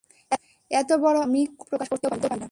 এত বড় অংক আমি কথায় প্রকাশ করতেও পারি না।